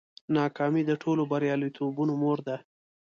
ناکامي د ټولو بریالیتوبونو مور ده.